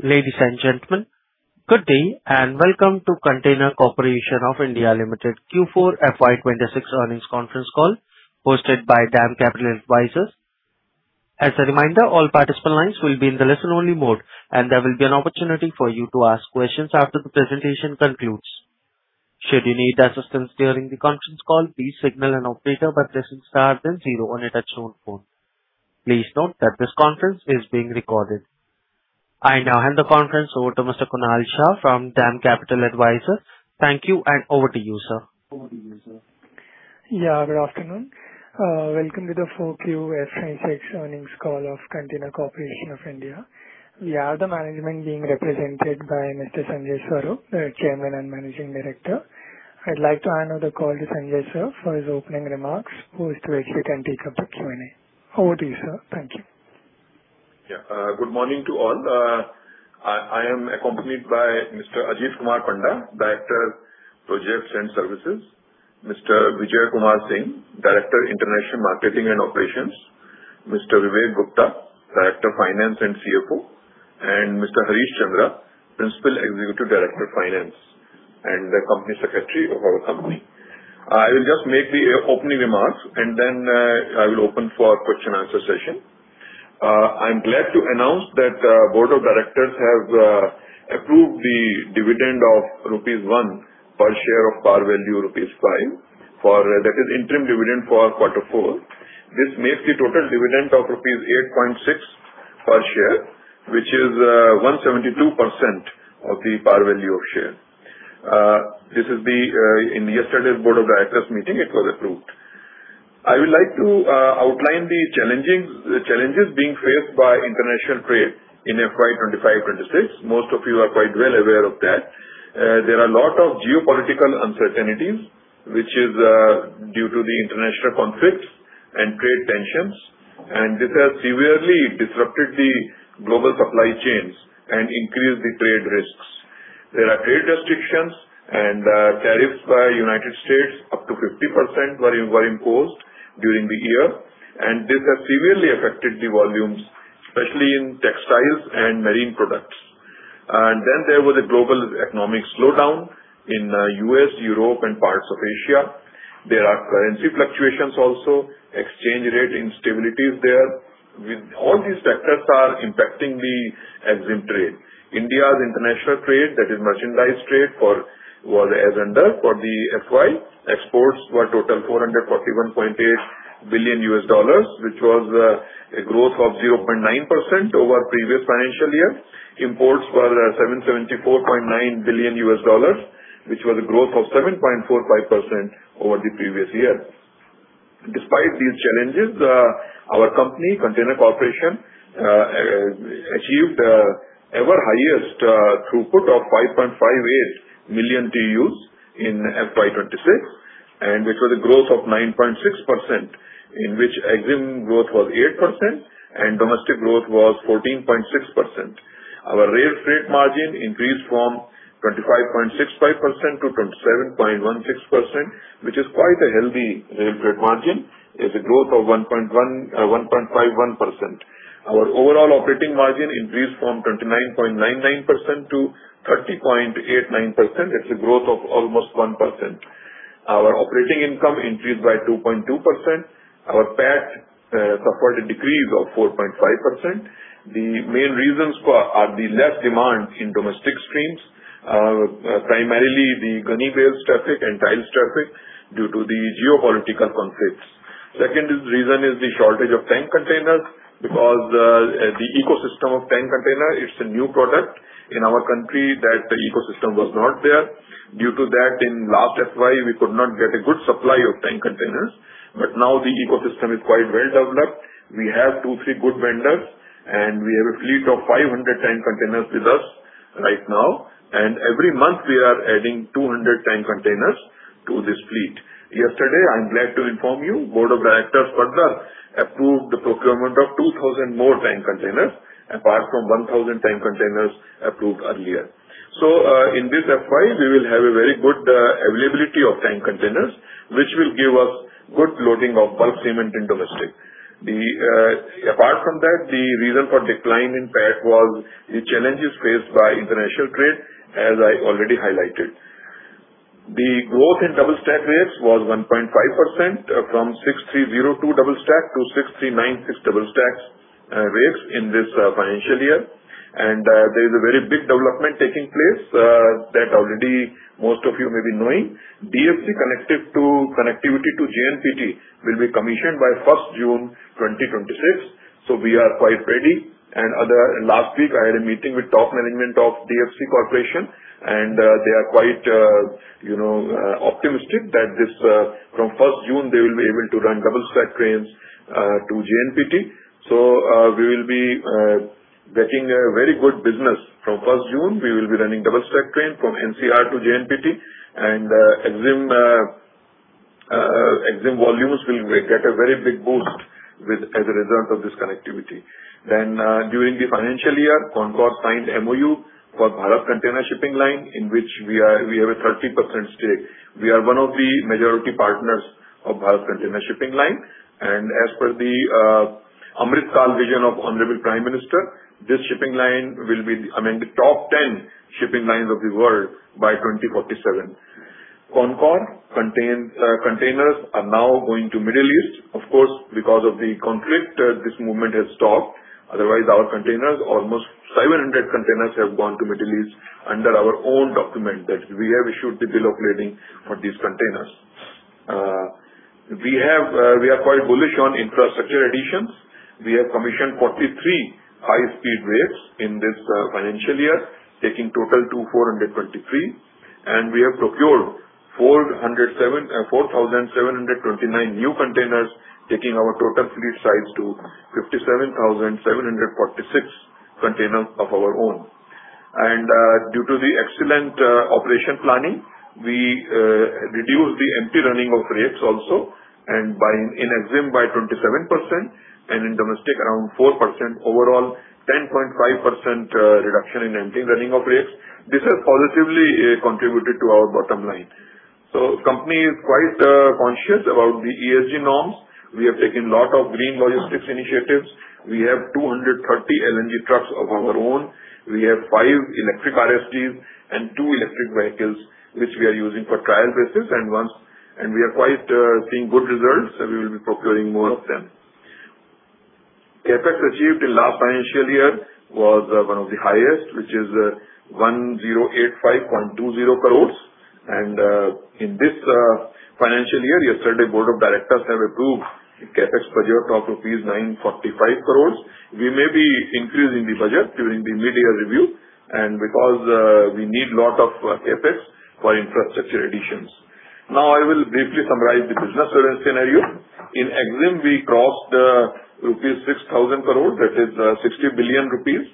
Ladies and gentlemen, good day and welcome to Container Corporation of India Limited Q4 FY 2026 earnings conference call hosted by DAM Capital Advisors. As a reminder, all participant lines will be in the listen-only mode, and there will be an opportunity for you to ask questions after the presentation concludes. Should you need assistance during the conference call, please signal an operator by pressing star then zero on your touch-tone phone. Please note that this conference is being recorded. I now hand the conference over to Mr. Kunal Shah from DAM Capital Advisors. Thank you, and over to you, sir. Good afternoon. Welcome to the 4Q FY 2026 earnings call of Container Corporation of India. We have the management being represented by Mr. Sanjay Swarup, the Chairman and Managing Director. I'd like to hand over the call to Sanjay, sir, for his opening remarks post which we can take up the Q&A. Over to you, sir. Thank you. Good morning to all. I am accompanied by Mr. Ajit Kumar Panda, Director (Projects & Services), Mr. Vijoy Kumar Singh, Director (International Marketing & Operations), Mr. Vivek Gupta, Director (Finance) and CFO, and Mr. Harish Chandra, Principal Executive Director (Finance) and the Company Secretary of our company. I will just make the opening remarks. Then I will open for our question answer session. I am glad to announce that the Board of Directors have approved the dividend of rupees 1 per share of par value rupees 5. That is interim dividend for quarter four. This makes the total dividend of INR 8.6 per share, which is 172% of the par value of share. In yesterday's Board of Directors meeting, it was approved. I would like to outline the challenges being faced by international trade in FY 2025/2026. Most of you are quite well aware of that. There are a lot of geopolitical uncertainties, which is due to the international conflicts and trade tensions, and these have severely disrupted the global supply chains and increased the trade risks. There are trade restrictions and tariffs by U.S. up to 50% were imposed during the year, and this has severely affected the volumes, especially in textiles and marine products. There was a global economic slowdown in U.S., Europe, and parts of Asia. There are currency fluctuations also, exchange rate instability is there. All these factors are impacting the EXIM trade. India's international trade, that is merchandise trade as on date for the FY, exports were total $441.8 billion, which was a growth of 0.9% over previous financial year. Imports were $774.9 billion, which was a growth of 7.45% over the previous year. Despite these challenges, our company, Container Corporation, achieved ever-highest throughput of 5.58 million TEUs in FY 2026, it was a growth of 9.6%, in which EXIM growth was 8% and domestic growth was 14.6%. Our rail freight margin increased from 25.65% to 27.16%, which is quite a healthy rail freight margin. It's a growth of 1.51%. Our overall operating margin increased from 29.99% to 30.89%. It's a growth of almost 1%. Our operating income increased by 2.2%. Our PAT suffered a decrease of 4.5%. The main reasons are the less demand in domestic streams, primarily the gunny bales traffic and tiles traffic due to the geopolitical conflicts. Second reason is the shortage of tank containers because the ecosystem of tank container, it's a new product in our country, that ecosystem was not there. Due to that, in last FY, we could not get a good supply of tank containers. Now the ecosystem is quite well developed. We have two, three good vendors, and we have a fleet of 500 tank containers with us right now, and every month we are adding 200 tank containers to this fleet. Yesterday, I'm glad to inform you, Board of Directors further approved the procurement of 2,000 more tank containers apart from 1,000 tank containers approved earlier. In this FY, we will have a very good availability of tank containers, which will give us good loading of bulk cement in domestic. Apart from that, the reason for decline in PAT was the challenges faced by international trade, as I already highlighted. The growth in double stack rakes was 1.5%, from 6,302 double stack to 6,396 double stack rakes in this financial year. There's a very big development taking place that already most of you may be knowing. DFC connectivity to JNCT will be commissioned by 1st June 2026, so we are quite ready. Last week I had a meeting with top management of DFC Corporation, and they are quite optimistic that from 1st June they will be able to run double-stack trains to JNCT. We will be getting a very good business. From 1st June, we will be running double-stack train from NCR to JNCT, and EXIM volumes will get a very big boost as a result of this connectivity. During the financial year, CONCOR signed MoU for Bharat Container Shipping Line, in which we have a 30% stake. We are one of the majority partners of Bharat Container Shipping Line, and as per the Amrit Kaal vision of Honorable Prime Minister, this shipping line will be among the top 10 shipping lines of the world by 2047. CONCOR containers are now going to Middle East. Of course, because of the conflict this movement has stopped. Otherwise, our containers, almost 700 containers, have gone to Middle East under our own document that we have issued the bill of lading for these containers. We are quite bullish on infrastructure additions. We have commissioned 43 high-speed rakes in this financial year, taking total to 423. We have procured 4,729 new containers, taking our total fleet size to 57,746 containers of our own. Due to the excellent operation planning, we reduced the empty running of rakes also and in EXIM by 27% and in domestic around 4%, overall 10.5% reduction in empty running of rakes. This has positively contributed to our bottom line. Company is quite conscious about the ESG norms. We have taken lot of green logistics initiatives. We have 230 LNG trucks of our own. We have five electric RSTs and two electric vehicles, which we are using for trial basis and we are quite seeing good results, we will be procuring more of them. CapEx achieved in last financial year was one of the highest, which is 1,085.20 crore. In this financial year, yesterday Board of Directors have approved a CapEx budget of rupees 945 crore. We may be increasing the budget during the mid-year review because we need lot of CapEx for infrastructure additions. Now I will briefly summarize the business revenue scenario. In EXIM, we crossed rupees 6,000 crore, that is 60 billion rupees,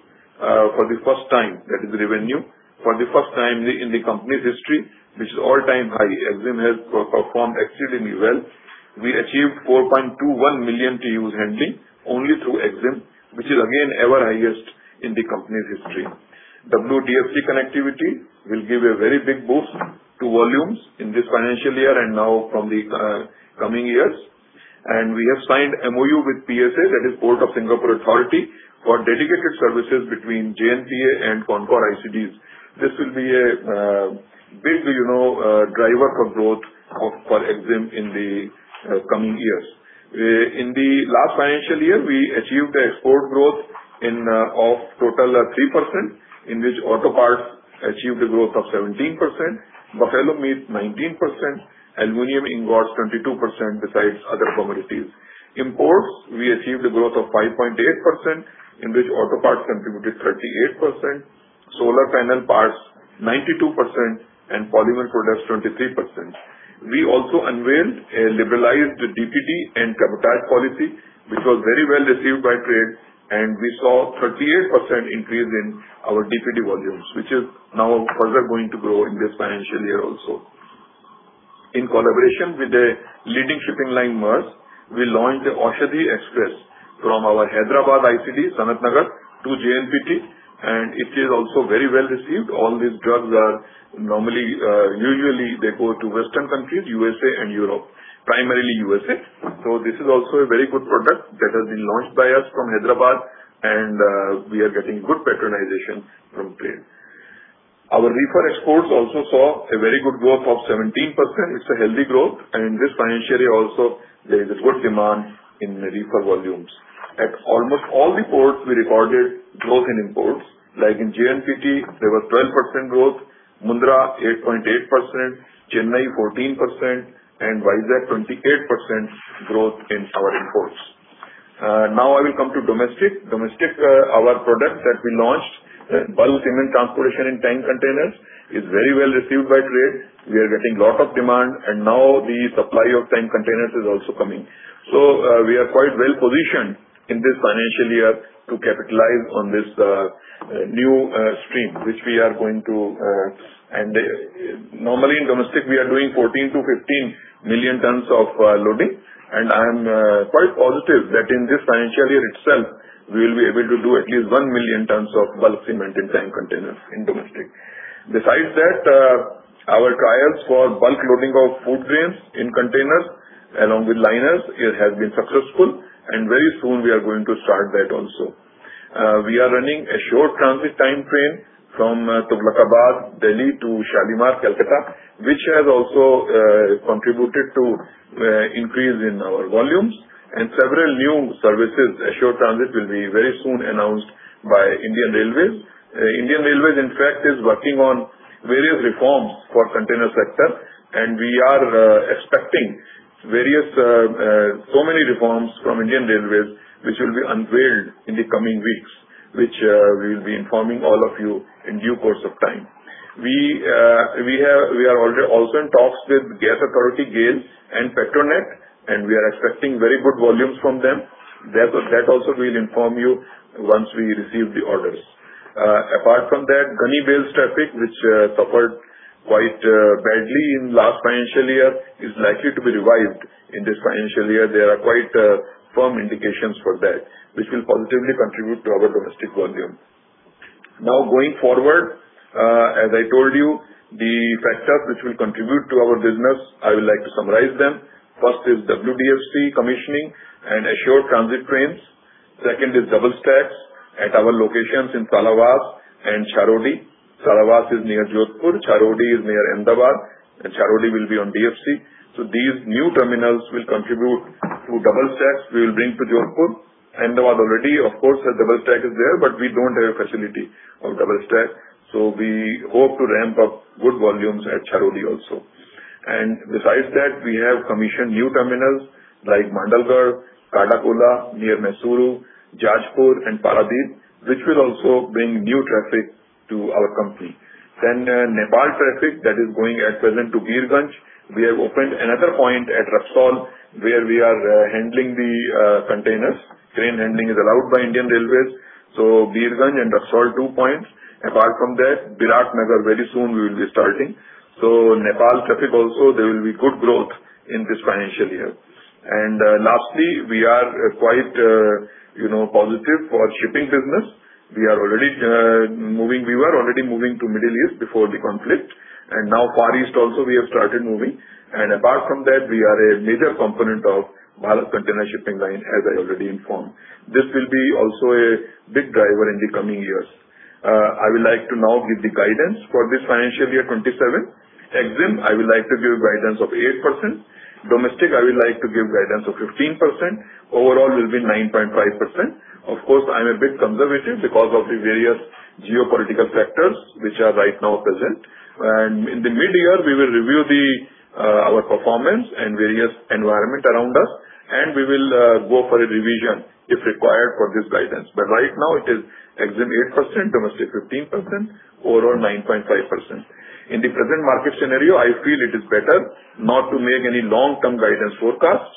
for the first time. That is the revenue for the first time in the company's history, which is all-time high. EXIM has performed exceedingly well. We achieved 4.21 million TEUs handling only through EXIM, which is again ever highest in the company's history. WDFC connectivity will give a very big boost to volumes in this financial year and now from the coming years. We have signed MoU with PSA, that is Port of Singapore Authority, for dedicated services between JNPA and CONCOR ICDs. This will be a big driver for growth for EXIM in the coming years. In the last financial year, we achieved export growth of total 3%, in which auto parts achieved a growth of 17%, buffalo meat 19%, aluminum ingots 22%, besides other commodities. Imports, we achieved a growth of 5.8%, in which auto parts contributed 38%, solar panel parts 92%, and polymer products 23%. We also unveiled a liberalized DPD and cabotage policy, which was very well received by trade, and we saw 38% increase in our DPD volumes, which is now further going to grow in this financial year also. In collaboration with a leading shipping line, Maersk, we launched the Aushadhi Express from our Hyderabad ICD, Sanathnagar, to JNPT, and it is also very well received. All these drugs are normally, usually they go to Western countries, U.S.A and Europe, primarily U.S.A. This is also a very good product that has been launched by us from Hyderabad and we are getting good patronization from trade. Our reefer exports also saw a very good growth of 17%. It's a healthy growth. In this financial year also, there is a good demand in reefer volumes. At almost all the ports we recorded growth in imports, like in JNPT there was 12% growth, Mundra 8.8%, Chennai 14%, and Vizag 28% growth in our imports. I will come to domestic. Domestic, our product that we launched, bulk cement transportation in tank containers, is very well received by trade. We are getting lot of demand and now the supply of tank containers is also coming. We are quite well positioned in this financial year to capitalize on this new stream. Normally in domestic we are doing 14 million-15 million tons of loading. I am quite positive that in this financial year itself, we will be able to do at least 1 million tons of bulk cement in tank containers in domestic. Our trials for bulk loading of food grains in containers along with liners, it has been successful and very soon we are going to start that also. We are running a short transit time train from Tughlakabad, Delhi to Shalimar, Kolkata, which has also contributed to increase in our volumes and several new services. A short transit will be very soon announced by Indian Railways. Indian Railways, in fact, is working on various reforms for container sector and we are expecting so many reforms from Indian Railways which will be unveiled in the coming weeks, which we will be informing all of you in due course of time. We are also in talks with Gas Authority, GAIL and Petronet, and we are expecting very good volumes from them. That also we'll inform you once we receive the orders. Apart from that, gunny bales traffic which suffered quite badly in last financial year is likely to be revived in this financial year. There are quite firm indications for that, which will positively contribute to our domestic volume. Now, going forward, as I told you, the factors which will contribute to our business, I would like to summarize them. First is WDFC commissioning and assured transit trains. Second is double stacks at our locations in Salawas and Charodi. Salawas is near Jodhpur, Charodi is near Ahmedabad, and Charodi will be on DFC. These new terminals will contribute to double stacks we will bring to Jodhpur. Ahmedabad already, of course, has double stack is there, but we don't have a facility for double stack. We hope to ramp up good volumes at Charodi also. Besides that, we have commissioned new terminals like Mangalagiri, Kadakola near Mysuru, Jagatpur, and Paradip, which will also bring new traffic to our company. Nepal traffic that is going at present to Birganj, we have opened another point at Raxaul where we are handling the containers. Train handling is allowed by Indian Railways. Birganj and Raxaul, two points. Apart from that, Biratnagar very soon we will be starting. Nepal traffic also, there will be good growth in this financial year. Lastly, we are quite positive for shipping business. We were already moving to Middle East before the conflict. Now Far East also we have started moving. Apart from that, we are a major component of Bharat Container Shipping Line, as I already informed. This will be also a big driver in the coming years. I would like to now give the guidance for this financial year 2027. EXIM, I would like to give guidance of 8%. Domestic, I would like to give guidance of 15%. Overall will be 9.5%. Of course, I'm a bit conservative because of the various geopolitical factors which are right now present. In the mid-year, we will review our performance and various environment around us and we will go for a revision if required for this guidance. Right now it is EXIM 8%, domestic 15%, overall 9.5%. In the present market scenario, I feel it is better not to make any long-term guidance forecast,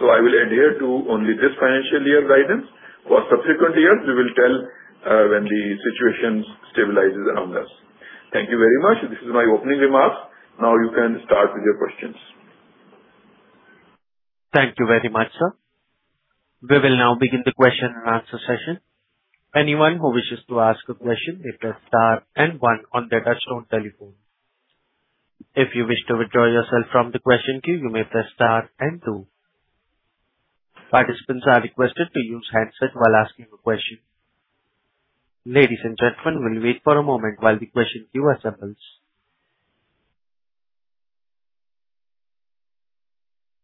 so I will adhere to only this financial year guidance. For subsequent years, we will tell when the situation stabilizes around us. Thank you very much. This is my opening remarks. Now you can start with your questions. Thank you very much, sir. We will now begin the question and answer session. Anyone who wishes to ask a question, hit a star and one on their touchtone telephone. If you wish to withdraw yourself from the question queue, you may press star and two. Participants are requested to use headset while asking questions. Ladies and gentlemen, wait for a moment while the question queue is assembled.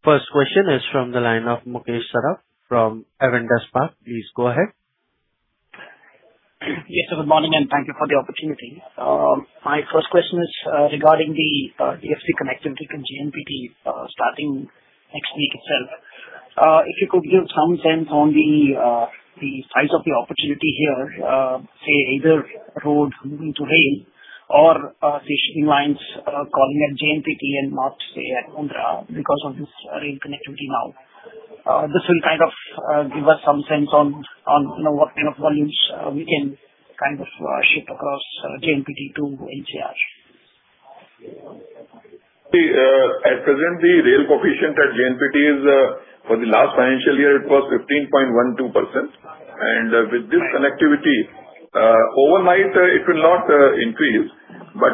First question is from the line of Mukesh Saraf from Avendus Spark. Please go ahead. Yes, good morning, and thank you for the opportunity. My first question is regarding the DFC connectivity to JNPT starting next week itself. If you could give some sense on the size of the opportunity here, say, either road moving to rail or shipping lines calling at JNPT and not, say, at Mundra because of this rail connectivity now. This will kind of give us some sense on what kind of volumes we can kind of shift across JNPT to NCR. At present, the rail coefficient at JNPT is, for the last financial year, it was 15.12%. With this connectivity, overnight it will not increase.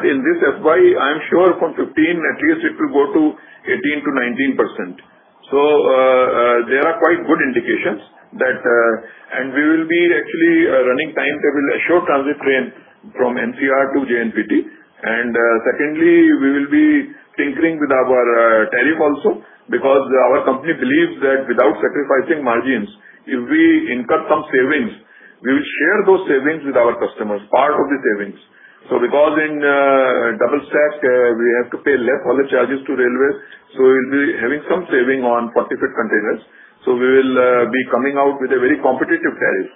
In this FY, I'm sure from 15, at least it will go to 18%-19%. There are quite good indications. We will be actually running time table assured transit train from NCR to JNPT. Secondly, we will be tinkering with our tariff also because our company believes that without sacrificing margins, if we incur some savings, we will share those savings with our customers, part of the savings. Because in double stack, we have to pay less haulage charges to railway, so we'll be having some saving on particular containers. We will be coming out with a very competitive tariff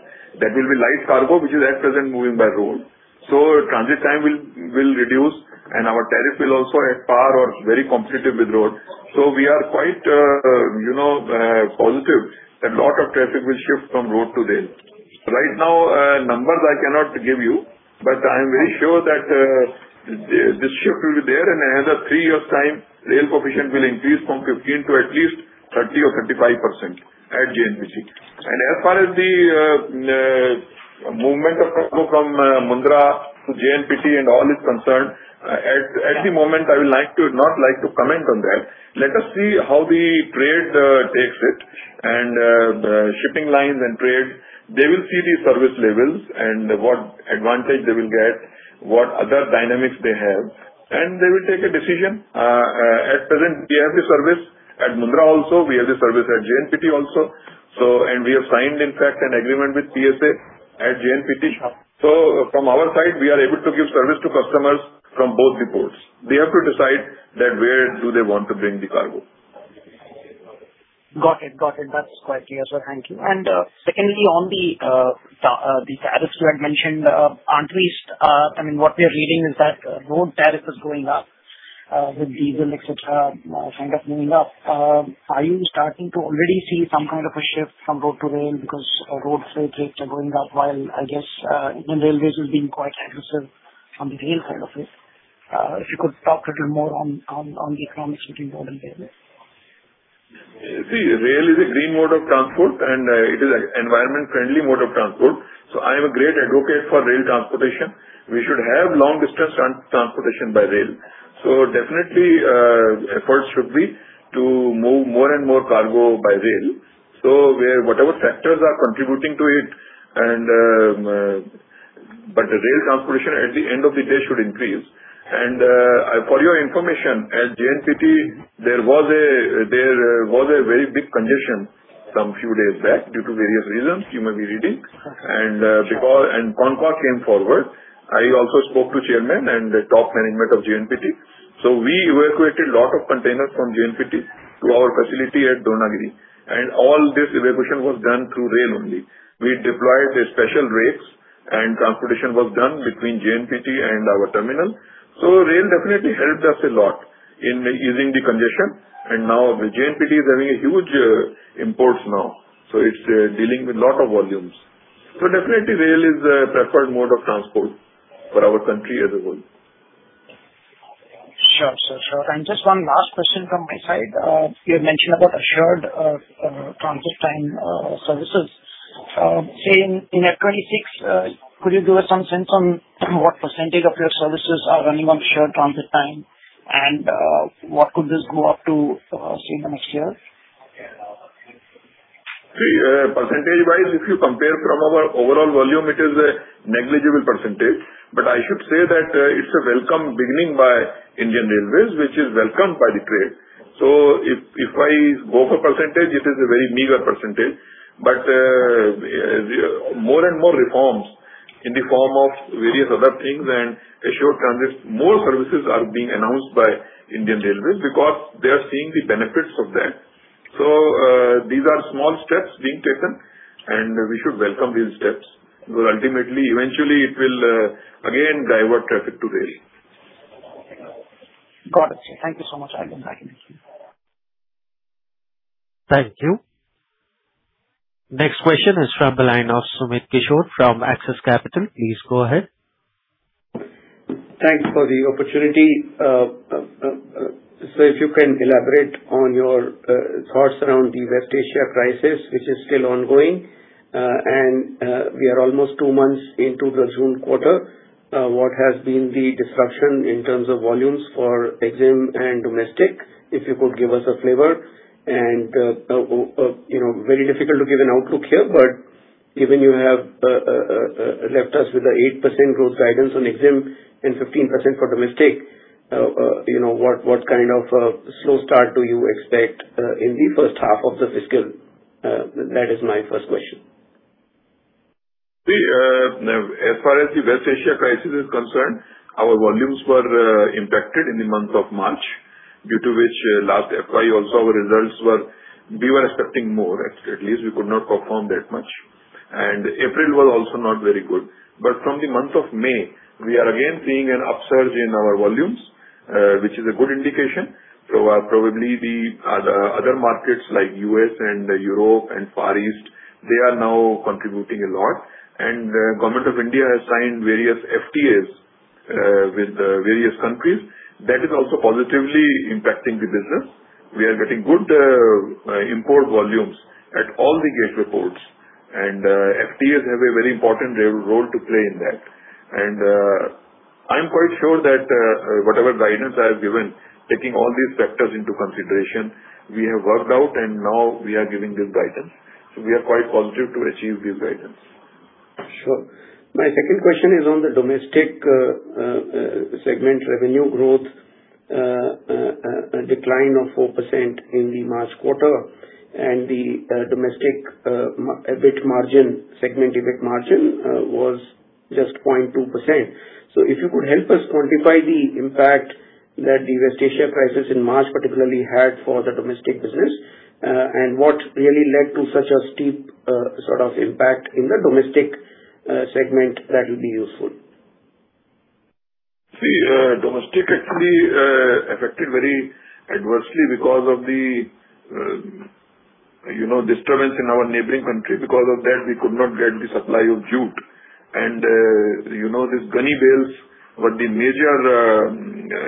that will be light cargo, which is at present moving by road. Transit time will reduce and our tariff will also, as far, are very competitive with road. We are quite positive that a lot of traffic will shift from road to rail. Right now, numbers I cannot give you, but I am very sure that this shift will be there, and another three years' time, rail coefficient will increase from 15% to at least 30% or 35% at JNPT. As far as the movement of cargo from Mundra to JNPT and all is concerned, at the moment, I will not like to comment on that. Let us see how the trade takes it, and the shipping lines and trade, they will see the service levels and what advantage they will get, what other dynamics they have, and they will take a decision. At present, we have a service at Mundra also, we have a service at JNPT also. We have signed, in fact, an agreement with PSA at JNPT. From our side, we are able to give service to customers from both the ports. They have to decide that where do they want to bring the cargo. Got it. That's quite clear, sir. Thank you. Secondly, on the tariffs you had mentioned, what we are reading is that road tariff is going up with diesel, et cetera, kind of moving up, are you starting to already see some kind of a shift from road to rail because road freight rates are going up while, I guess, even railways have been quite aggressive from the rail side of it? If you could talk a little more on this one, it would be more than welcome. Rail is a green mode of transport, it is an environment-friendly mode of transport. I am a great advocate for rail transportation. We should have long-distance transportation by rail. Definitely, efforts should be to move more and more cargo by rail. Whatever factors are contributing to it, the rail transportation at the end of the day should increase. For your information, at JNPT, there was a very big congestion some few days back due to various reasons you may be reading. CONCOR came forward. I also spoke to chairman and the top management of JNPT. We evacuated a lot of containers from JNPT to our facility at Dronagiri, all this evacuation was done through rail only. We deployed special rails, transportation was done between JNPT and our terminal. Rail definitely helped us a lot in easing the congestion, and JNPT is having huge imports, so it is dealing with a lot of volumes. Definitely rail is a preferred mode of transport for our country as a whole. Sure. Just one last question from my side. You had mentioned about assured transit time services. Say, in FY 2026, could you give us some sense on what percentage of your services are running on assured transit time, and what could this go up to, say, this year? Percentage-wise, if you compare from our overall volume, it is a negligible percentage. I should say that it's a welcome beginning by Indian Railways, which is welcomed by the trade. If I go for percentage, it is a very meager percentage. More and more reforms in the form of various other things and assured transit, more services are being announced by Indian Railways because they are seeing the benefits of that. These are small steps being taken, and we should welcome these steps. Ultimately, eventually, it will again divert traffic to rail. Got it. Thank you so much. I will get back in queue. Thank you. Next question is from the line of Sumit Kishore from Axis Capital. Please go ahead. Thanks for the opportunity. Sir, if you can elaborate on your thoughts around the West Asia crisis, which is still ongoing. We are almost two months into the June quarter. What has been the disruption in terms of volumes for EXIM and domestic? Very difficult to give an outlook here, but given you have left us with an 8% growth guidance on EXIM and 15% for domestic, what kind of a slow start do you expect in the first half of the fiscal? That is my first question. As far as the West Asia crisis is concerned, our volumes were impacted in the month of March, due to which last FY 2024 also. We were expecting more. At least we could not perform that much. April was also not very good. From the month of May, we are again seeing an upsurge in our volumes, which is a good indication. Probably the other markets like U.S. and Europe and Far East, they are now contributing a lot. Government of India has signed various FTA with various countries. That is also positively impacting the business. We are getting good import volumes at all the gateway ports, and FTA have a very important role to play in that. I'm quite sure that whatever guidance I have given, taking all these factors into consideration, we have worked out, and now we are giving this guidance. We are quite positive to achieve this guidance. Sure. My second question is on the domestic segment revenue growth decline of 4% in the March quarter, and the domestic segment EBIT margin was just 0.2%. If you could help us quantify the impact that the West Asia crisis in March particularly had for the domestic business, and what really led to such a steep sort of impact in the domestic segment, that will be useful. Domestic actually affected very adversely because of the disturbance in our neighboring country. We could not get the supply of jute. These gunny bales were the major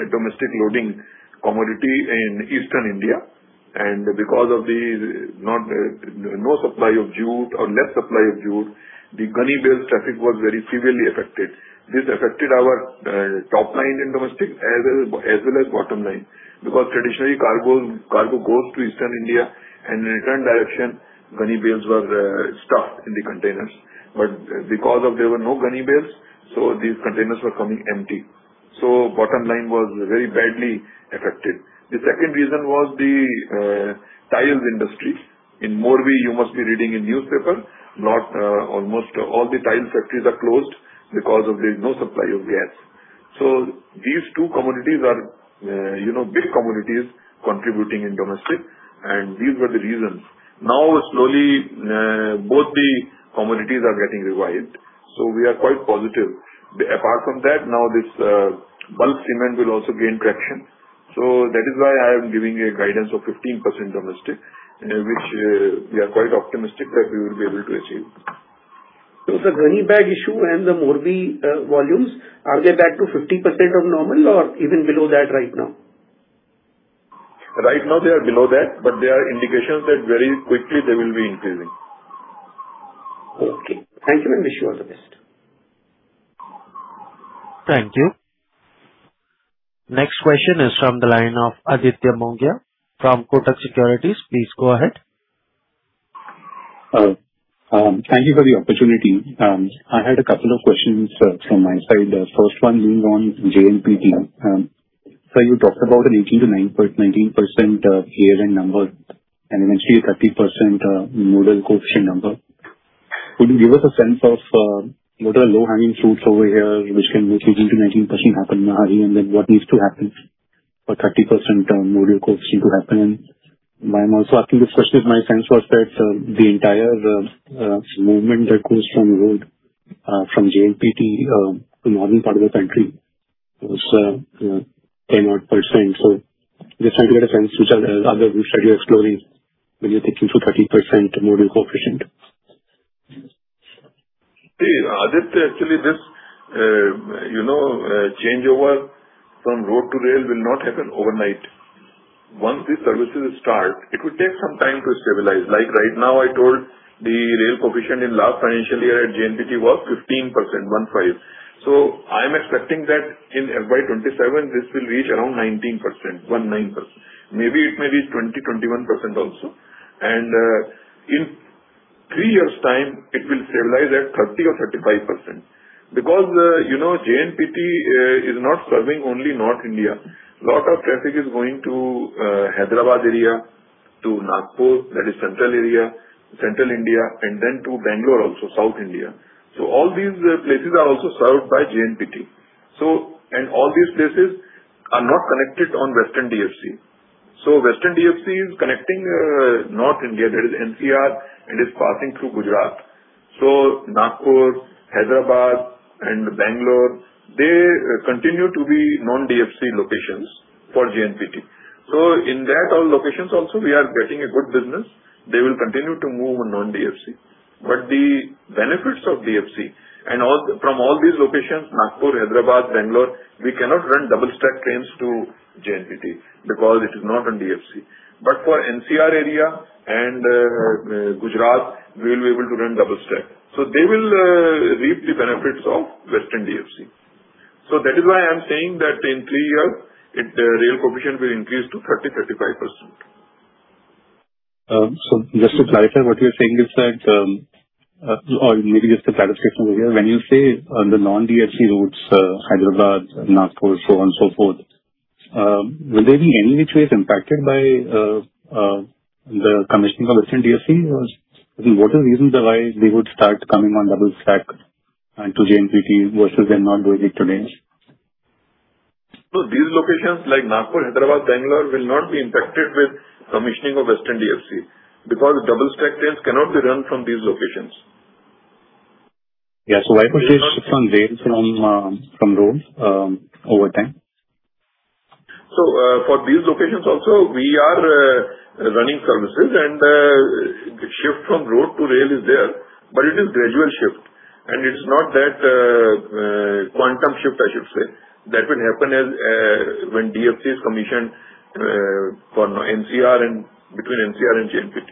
domestic loading commodity in Eastern India. Because of no supply of jute or less supply of jute, the gunny bales traffic was very heavily affected. This affected our top line in domestic as well as bottom line. Traditionally, cargo goes to Eastern India, and in return direction, gunny bales were stuffed in the containers. Because there were no gunny bales, these containers were coming empty. Bottom line was very badly affected. The second reason was the tiles industry. In Morbi, you must be reading in newspaper, almost all the tile factories are closed because of no supply of gas. These two commodities are big commodities contributing in domestic, and these were the reasons. Now, slowly, both the commodities are getting revived. We are quite positive. Apart from that, now this bulk cement will also gain traction. That is why I am giving a guidance of 15% domestic, and which we are quite optimistic that we will be able to achieve. The gunny bag issue and the Morbi volumes, are they back to 50% of normal or even below that right now? Right now they are below that, but there are indications that very quickly they will be increasing. Okay. Thank you and wish you all the best. Thank you. Next question is from the line of Aditya Mongia from Kotak Securities. Please go ahead. Thank you for the opportunity. I had a couple of questions from my side. First one being on JNPT. Sir, you talked about an 18%-19% year-end number and eventually 30% modal coefficient number. Could you give us a sense of what are the low-hanging fruits over here which can make 18%-19% happen now? What needs to happen for 30% modal coefficient to happen? I am also asking this question because my sense was that the entire movement of goods from road, from JNPT to northern part of the country was 10-odd percent. Just want to get a sense which are the other routes that you are exploring which are taking to 30% modal coefficient. Aditya, actually, this changeover from road to rail will not happen overnight. Once the services start, it will take some time to stabilize. Like right now, I told the rail coefficient in last financial year at JNPT was 15%. I am expecting that in FY 2027, this will reach around 19%. Maybe it may be 20%-21% also. In three years' time, it will stabilize at 30% or 35%, because JNPT is not serving only North India. A lot of traffic is going to Hyderabad area, to Nagpur, that is central area, central India, and then to Bangalore also, South India. All these places are also served by JNPT. All these places are not connected on Western DFC. Western DFC is connecting North India, that is NCR, and is passing through Gujarat. Nagpur, Hyderabad, and Bangalore, they continue to be non-DFC locations for JNPT. In all those locations also, we are getting a good business. They will continue to move on non-DFC. The benefits of DFC, and from all these locations, Nagpur, Hyderabad, Bangalore, we cannot run double-stack trains to JNPT because it is not on DFC. For NCR area and Gujarat, we will be able to run double-stack. They will reap the benefits of Western DFC. That is why I am saying that in three years, the rail coefficient will increase to 30%-35%. Just to clarify, sir, what you're saying is that, or maybe just a clarification over here. When you say on the non-DFC routes, Hyderabad, Nagpur, so on and so forth, will there be any freight impacted by the commissioning of Western DFC? What are the reasons why they would start coming on double-stack to JNPT versus their non-DFC terrains? These locations like Nagpur, Hyderabad, Bangalore will not be impacted with commissioning of Western DFC because double stack trains cannot be run from these locations. Yeah. Why would they shift from rail from roads over time? For these locations also, we are running services and the shift from road to rail is there, but it is gradual shift and it's not that quantum shift, I should say. That will happen when DFC is commissioned between NCR and JNPT.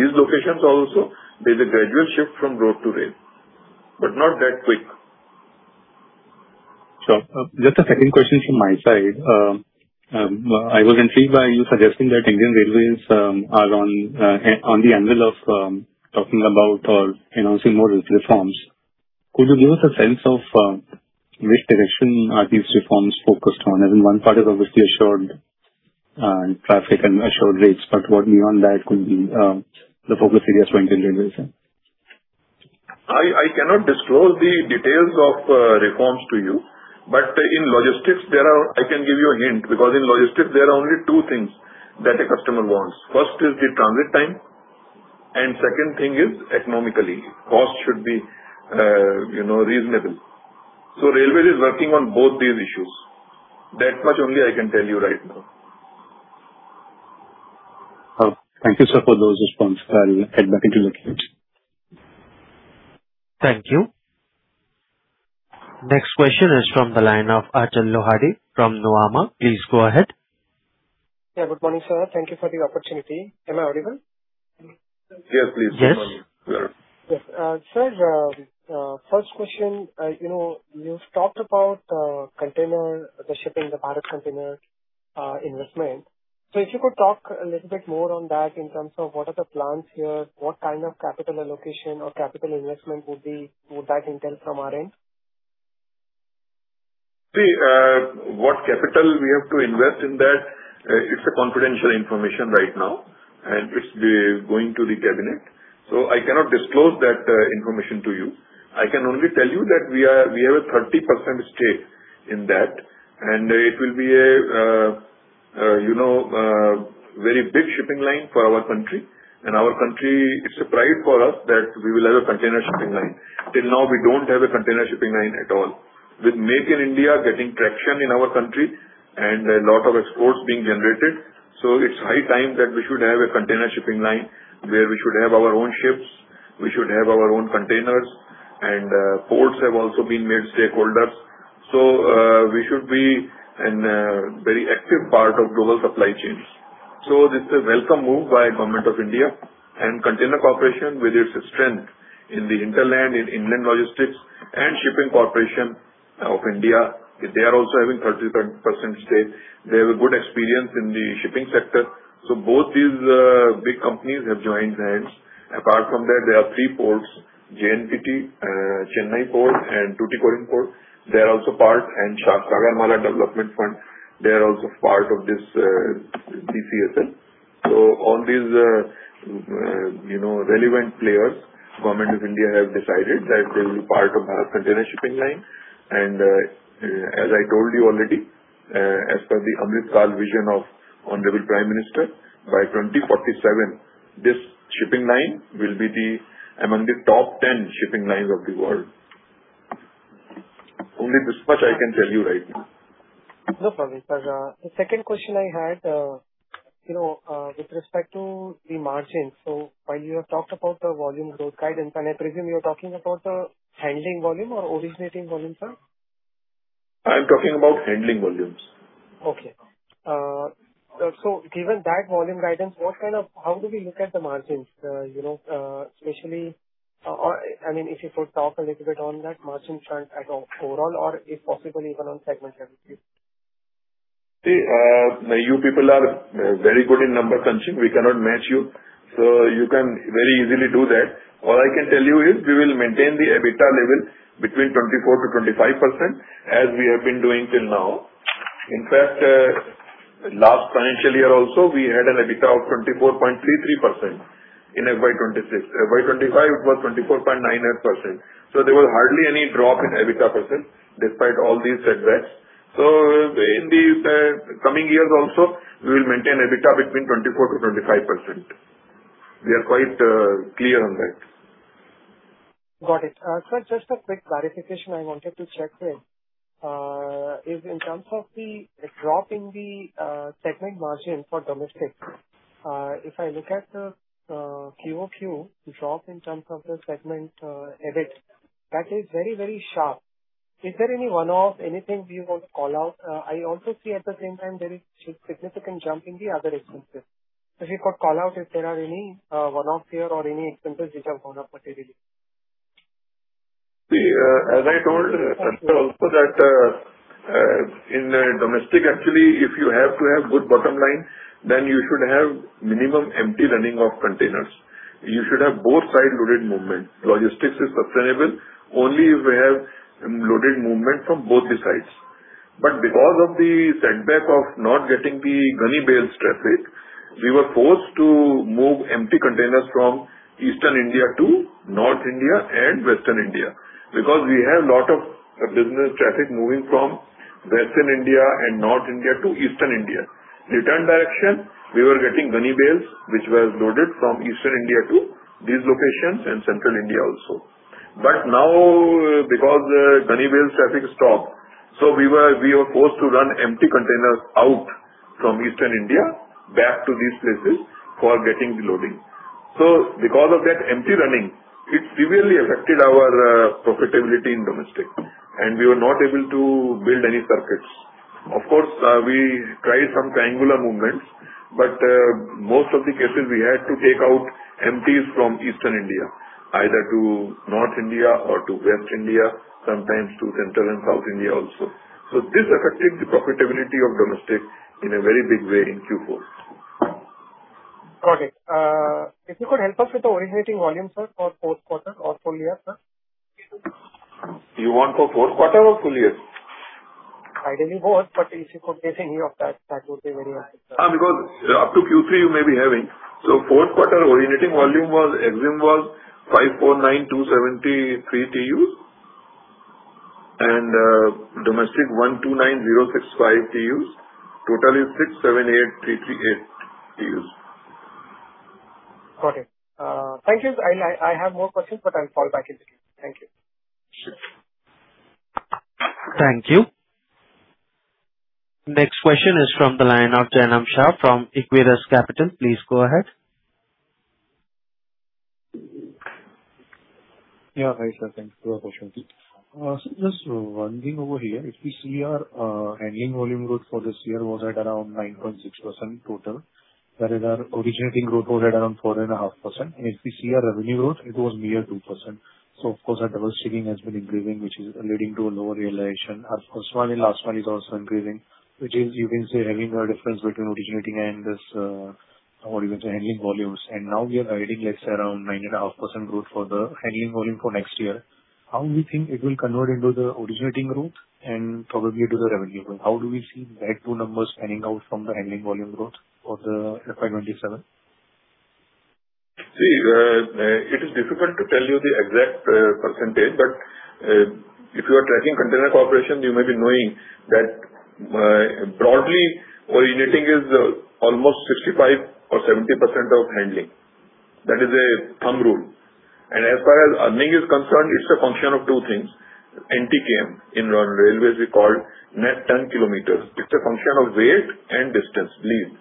These locations also, there's a gradual shift from road to rail, but not that quick. Sir, just a second question from my side. I was intrigued by you suggesting that Indian Railways are on the angle of talking about or announcing more reforms. Could you give us a sense of which direction are these reforms focused on? I mean, one part is obviously assured traffic and assured rates, but what beyond that could be the focus areas for Indian Railways, sir? I cannot disclose the details of reforms to you, but in logistics, I can give you a hint, because in logistics, there are only two things that a customer wants. First is the transit time, and second thing is economically, cost should be reasonable. Railway is working on both these issues. That much only I can tell you right now. Thank you, sir, for those responses. I greatly appreciate it. Thank you. Next question is from the line of Achal Lohade from Nuvama. Please go ahead. Yeah, good morning, sir. Thank you for the opportunity. Am I audible? Yes, please. Yes. Yes. Sir, first question. You've talked about container shipping, the other container investment. If you could talk a little bit more on that in terms of what are the plans here, what kind of capital allocation or capital investment would that entail from our end? See, what capital we have to invest in that, it's a confidential information right now, and it's going to the cabinet. I cannot disclose that information to you. I can only tell you that we have a 30% stake in that, and it will be a very big shipping line for our country. Our country, it's a pride for us that we will have a container shipping line. Till now, we don't have a container shipping line at all. With Make in India getting traction in our country and a lot of exports being generated, it's high time that we should have a container shipping line where we should have our own ships, we should have our own containers, and ports have also been made stakeholders. We should be a very active part of global supply chains. This is a welcome move by Government of India and Container Corporation with its strength in the hinterland, in inland logistics, and Shipping Corporation of India, they are also having 30% stake. They have a good experience in the shipping sector. Both these big companies have joined hands. Apart from that, there are three ports, JNPT, Chennai Port, and Tuticorin Port. They are also part, and Sagarmala Development Fund, they are also part of this BCSL. All these relevant players, Government of India have decided that they will be part of our container shipping line. As I told you already, as per the Amrit Kaal vision of Honorable Prime Minister, by 2047, this shipping line will be among the top 10 shipping lines of the world. Only this much I can tell you right now. No problem, sir. The second question I had with respect to the margin. While you have talked about the volume growth guidance, and I presume you're talking about the handling volume or originating volume, sir? I'm talking about handling volumes. Okay. Given that volume guidance, how do we look at the margins? Especially, if you could talk a little bit on that margin front as of overall or if possible, even on segment level, please. You people are very good in number crunching. We cannot match you. You can very easily do that. All I can tell you is we will maintain the EBITDA level between 24%-25% as we have been doing till now. In fact, last financial year also, we had an EBITDA of 24.33% in FY 2026. FY 2025 was 24.98%. There was hardly any drop in EBITDA percent despite all these setbacks. In the coming years also, we will maintain EBITDA between 24%-25%. We are quite clear on that. Got it. Sir, just a quick clarification I wanted to check with, is in terms of the drop in the segment margin for domestic. If I look at the QoQ drop in terms of the segment EBIT, that is very sharp. Is there any one-off, anything we want to call out? I also see at the same time there is significant jump in the other expenses. If you could call out if there are any one-off here or any expenses which have gone up materially. See, as I told [inaudible] also that in domestic, actually, if you have to have good bottom line, then you should have minimum empty running of containers. You should have both side loaded movement. Logistics is sustainable only if we have loaded movement from both of the sides. Because of the setback of not getting the gunny bales traffic, we were forced to move empty containers from Eastern India to North India and Western India, because we have lot of business traffic moving from Western India and North India to Eastern India. Return direction, we were getting gunny bales, which was loaded from Eastern India to these locations and Central India also. Now because gunny bales traffic stopped, so we were forced to run empty containers out from Eastern India back to these places for getting the loading. Because of that empty running, it severely affected our profitability in domestic, and we were not able to build any circuits. Of course, we tried some triangular movements, but most of the cases we had to take out empties from Eastern India, either to North India or to West India, sometimes to Central and South India also. This affected the profitability of domestic in a very big way in Q4. Got it. If you could help us with the originating volume, sir, for fourth quarter or full year, sir. You want for fourth quarter or full year? Ideally, both, but if you could give any of that would be very helpful. Up to Q3 you may be having. Fourth quarter originating volume was EXIM 549,273 TEUs, and domestic 129,065 TEUs. Total is 678,338 TEUs. Got it. Thank you. I have more questions, I'll fall back in the queue. Thank you. Sure. Thank you. Next question is from the line of Jainam Shah from Equirus Capital. Please go ahead. Yeah. Hi, sir. Thanks for this opportunity. Just one thing over here. If we see our handling volume growth for this year was at around 9.6% total, whereas our originating growth was at around 4.5%. If we see our revenue growth, it was mere 2%. Of course, our double-stacking has been improving, which is leading to a lower realization. Our first mile last mile is also improving, which is you can say having a difference between originating and this, how do you say, handling volumes. Now we are guiding let's say around 9.5% growth for the handling volume for next year. How we think it will convert into the originating growth and probably to the revenue growth? How do we see that two numbers panning out from the handling volume growth for the FY 2027? See, it is difficult to tell you the exact percentage. If you are tracking Container Corporation, you may be knowing that broadly, originating is almost 65% or 70% of handling. That is a thumb rule. As far as earning is concerned, it's a function of two things. NTKM. In railways, we call net tonne kilometers. It's a function of weight and distance, lead.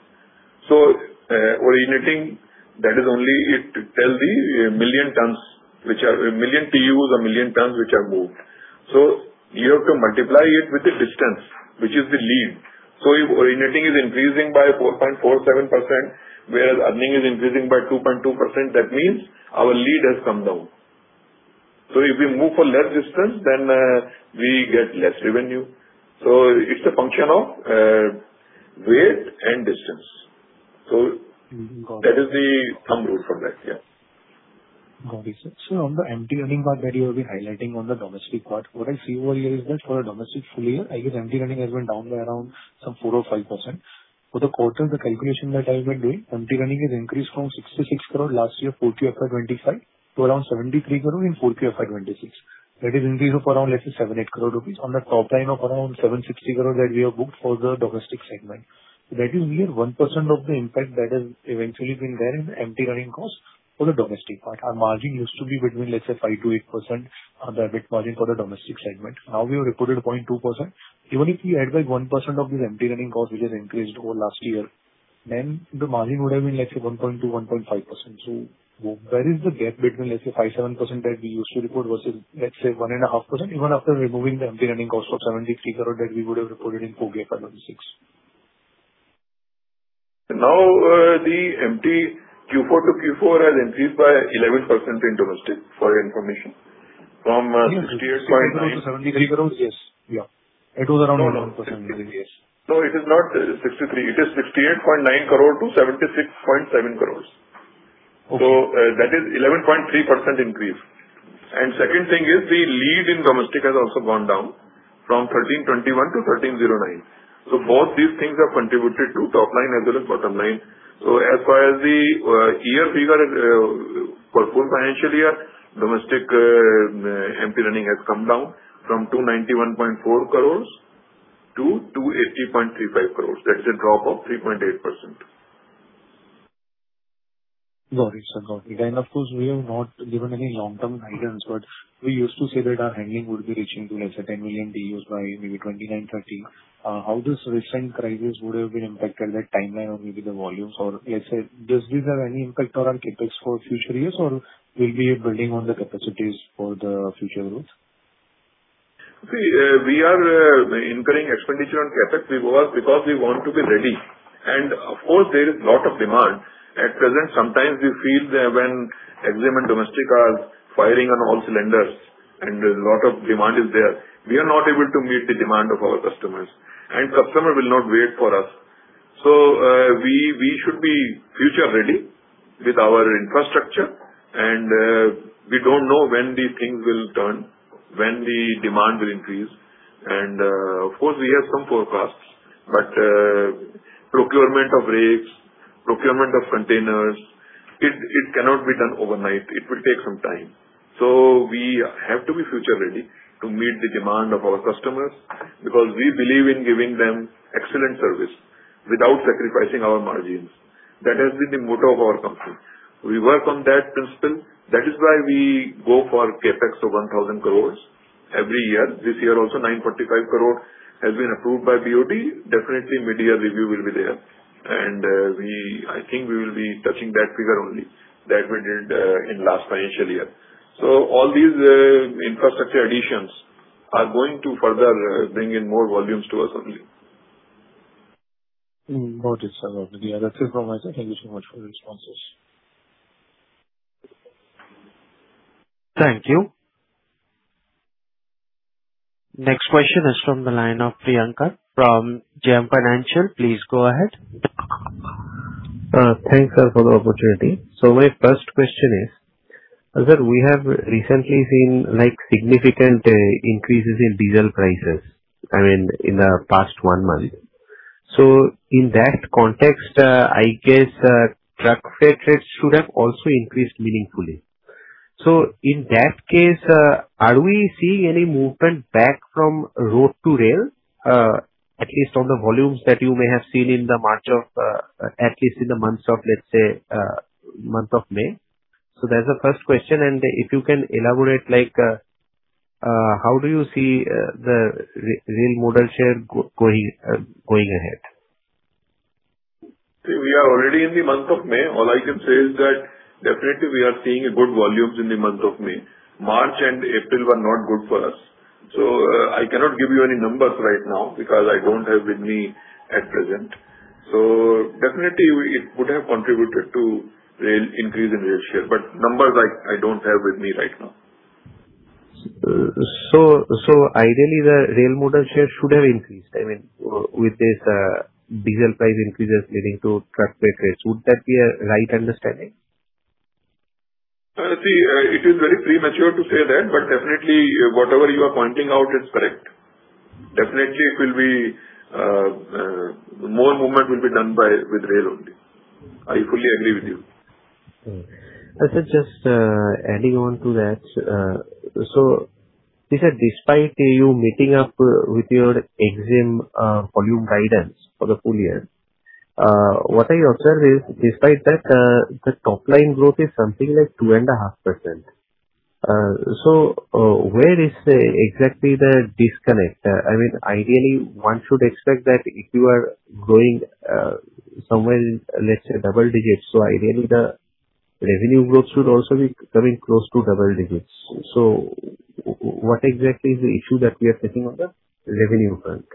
Originating, that is only it tells the million TEUs or million tonnes which are moved. You have to multiply it with the distance, which is the lead. If originating is increasing by 4.47%, whereas earning is increasing by 2.2%, that means our lead has come down. If we move for less distance, then we get less revenue. It's a function of weight and distance. That is the thumb rule for that. Yeah. Got it, sir. On the empty running part that you have been highlighting on the domestic part, what I see over here is that for a domestic full year, I guess empty running has been down by around some 4% or 5%. For the quarter, the calculation that I have been doing, empty running has increased from 66 crores last year, 4Q of 2025, to around 73 crores in 4Q of 2026. That is increase of around, let's say, 7 crores-8 crores rupees on the top line of around 760 crores that we have booked for the domestic segment. That is nearly 1% of the impact that has eventually been there in empty running cost for the domestic part. Our margin used to be between, let's say, 5%-8% on the EBIT margin for the domestic segment. We have reported 0.2%. Even if we add back 1% of this empty running cost which has increased over last year, then the margin would have been, let's say, 1.2%, 1.5%. Where is the gap between, let's say, 5%, 7% that we used to report versus, let's say, 1.5%, even after removing the empty running cost of 73 crores that we would have reported in Q4 of 2026? The empty Q4 to Q4 has increased by 11% in domestic for your information. From 68.9- To 73 crores. Yes. Yeah. It was around 11%. Yes. No, it is not 63. It is 68.9 crores-76.7 crores. Okay. That is 11.3% increase. Second thing is the lead in domestic has also gone down from 1,321 to 1,309. Both these things have contributed to top line as well as bottom line. As far as the year figure for full financial year, domestic empty running has come down from 291.4 crores to 280.35 crores. That is a drop of 3.8%. Got it, sir. Got it. Of course, we have not given any long-term guidance, we used to say that our handling would be reaching to, let's say, 10 million TEUs by maybe 2029-2030. How this recent crisis would have been impacted that timeline or maybe the volumes or let's say, does this have any impact on our CapEx for future years, or we'll be building on the capacities for the future routes? We are incurring expenditure on CapEx because we want to be ready. Of course, there is lot of demand. At present, sometimes we feel when EXIM and domestic are firing on all cylinders and there's a lot of demand is there, we are not able to meet the demand of our customers. Customer will not wait for us. We should be future ready with our infrastructure. We don't know when these things will turn, when the demand will increase. Of course, we have some forecasts. Procurement of rakes, procurement of containers, it cannot be done overnight. It will take some time. We have to be future ready to meet the demand of our customers because we believe in giving them excellent service without sacrificing our margins. That has been the motto of our company. We work on that principle. That is why we go for CapEx of 1,000 crores every year. This year also, 945 crores has been approved by BoD. Definitely mid-year review will be there. I think we will be touching that figure only that we did in last financial year. All these infrastructure additions are going to further bring in more volumes to us only. Got it, sir. Got it. That's it from my side. Thank you so much for the responses. Thank you. Next question is from the line of Priyankar from JM Financial. Please go ahead. Thanks, sir, for the opportunity. My first question is, sir, we have recently seen significant increases in diesel prices in the past one month. In that context, I guess truck freight rates should have also increased meaningfully. In that case, are we seeing any movement back from road to rail, at least on the volumes that you may have seen at least in the month of, let's say, month of May? That's the first question. If you can elaborate, how do you see the rail modal share going ahead? We are already in the month of May. All I can say is that definitely we are seeing good volumes in the month of May. March and April were not good for us. I cannot give you any numbers right now because I don't have with me at present. Definitely it would have contributed to increase in rail share. Numbers I don't have with me right now. Ideally, the rail modal share should have increased with this diesel price increases leading to truck freight rates. Would that be a right understanding? See, it is very premature to say that. Definitely whatever you are pointing out is correct. Definitely more movement will be done with rail only. I fully agree with you. Okay. Sir, just adding on to that. You said despite you meeting up with your EXIM volume guidance for the full year, what I observe is despite that, the top-line growth is something like 2.5%. Where is exactly the disconnect? Ideally, one should expect that if you are growing somewhere in, let's say, double digits, ideally, the revenue growth should also be coming close to double digits. What exactly is the issue that we are facing on the revenue front?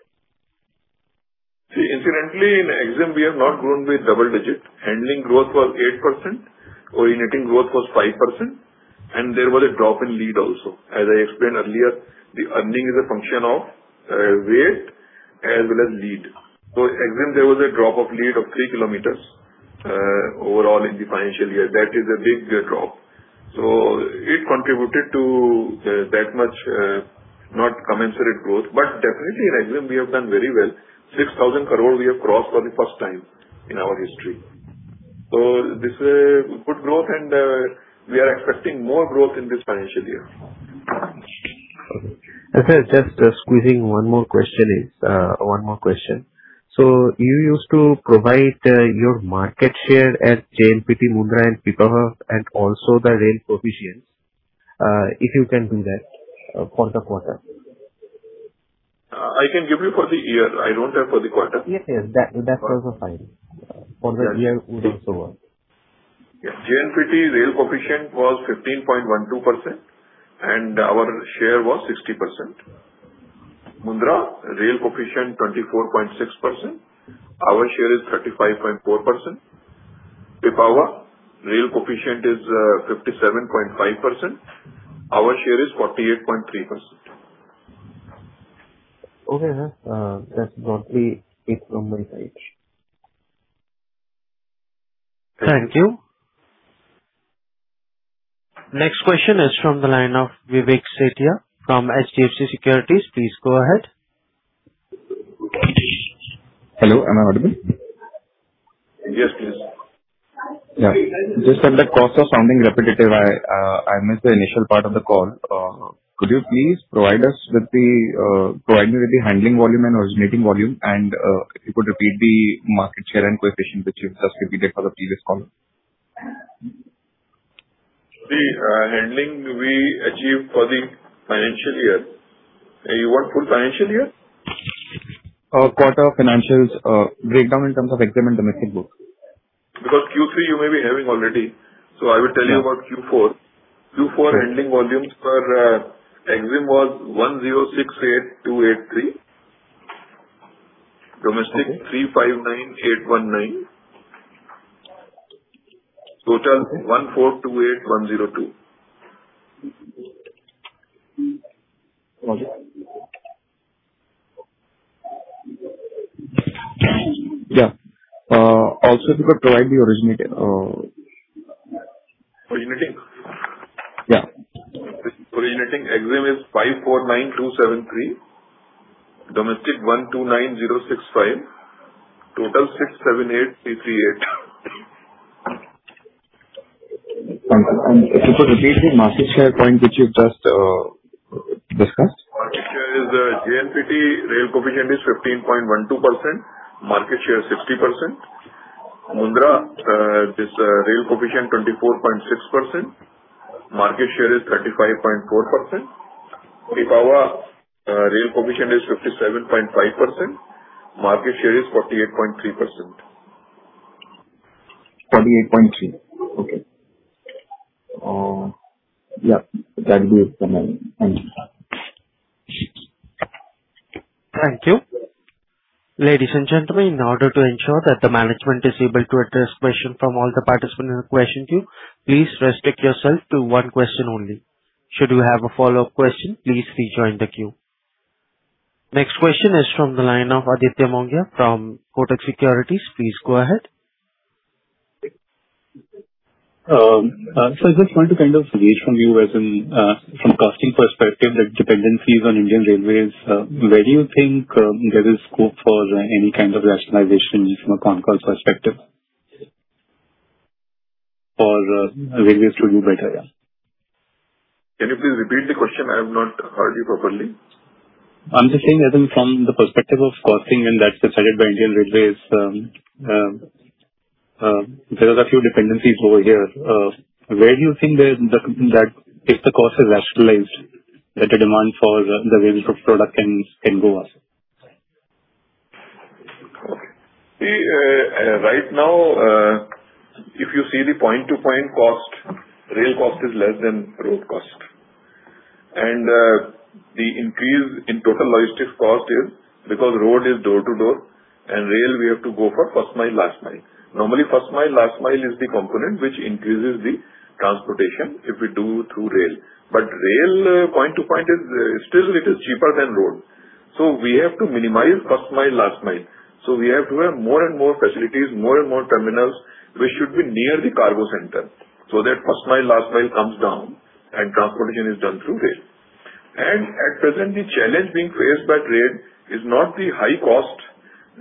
Incidentally, in EXIM, we have not grown with double-digit. Handling growth was 8%, originating growth was 5%. There was a drop in lead also. As I explained earlier, the earning is a function of weight as well as lead. EXIM, there was a drop of lead of 3 km overall in the financial year. That is a big drop. It contributed to that much, not commensurate growth. Definitely in EXIM, we have done very well. 6,000 crore we have crossed for the first time in our history. This is a good growth. We are expecting more growth in this financial year. Okay. Sir, just squeezing one more question. You used to provide your market share at JNPT, Mundra, and Pipavav, and also the rail coefficients. If you can do that for the quarter. I can give you for the year. I do not have for the quarter. Yes. That's also fine. For the year would also work. Yeah. JNPT rail coefficient was 15.12%. Our share was 60%. Mundra rail coefficient, 24.6%. Our share is 35.4%. Pipavav rail coefficient is 57.5%. Our share is 48.3%. Okay. That's broadly it from my side. Thank you. Next question is from the line of Vivek Sethia from HDFC Securities. Please go ahead. Hello, am I audible? Yes, please. Yeah. Just at the cost of sounding repetitive, I missed the initial part of the call. Could you please provide me with the handling volume and originating volume, and if you could repeat the market share and coefficient which you've just repeated for the previous caller. The handling we achieved for the financial year. You want full financial year? Quarter financials breakdown in terms of EXIM and domestic both. Q3 you may be having already. I will tell you about Q4. Q4 handling volumes for EXIM was 1,068,283. Domestic, 359,819. Total, 1,428,102. Okay. Yeah. Also, if you could provide the originating. Originating? Yeah. Originating EXIM is 549,273. Domestic, 129,065. Total, 678,338. Thank you. If you could repeat the market share point, which you've just discussed? Market share is JNPT rail coefficient is 15.12%, market share 60%. Mundra, this rail coefficient 24.6%, market share is 35.4%. Pipavav rail coefficient is 57.5%, market share is 48.3%. 48.3%. Okay. Yeah, that would be it from my end. Thank you. Thank you. Ladies and gentlemen, in order to ensure that the management is able to address questions from all the participants in the question queue, please restrict yourself to one question only. Should you have a follow-up question, please rejoin the queue. Next question is from the line of Aditya Mongia from Kotak Securities. Please go ahead. Sir, I just wanted to gauge from you, from costing perspective, that dependencies on Indian Railways, where do you think there is scope for any kind of rationalization from a CONCOR perspective for Railways to do better? Can you please repeat the question? I have not heard you properly. I'm just saying, from the perspective of costing and that's decided by Indian Railways, there are a few dependencies over here. Where do you think that if the cost is rationalized, that the demand for the Railways product can go up? Okay. Right now, if you see the point-to-point cost, rail cost is less than road cost. The increase in total logistics cost is because road is door-to-door, and rail, we have to go for last mile. Normally, last mile is the component which increases the transportation if we do through rail. Rail point to point is still a little cheaper than road. We have to minimize last mile. We have to have more and more facilities, more and more terminals, which should be near the cargo center, so that last mile comes down. Transportation is done through rail. At present, the challenge being faced by rail is not the high cost